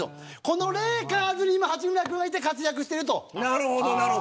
このレイカーズに今、八村君がいて活躍している。